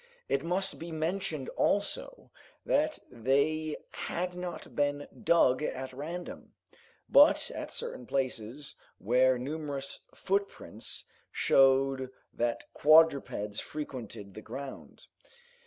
It must be mentioned also, that they had not been dug at random, but at certain places where numerous footprints showed that quadrupeds frequented the ground.